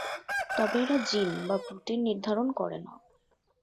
তবে এরা জিন বা প্রোটিন নির্ধারণ করেনা।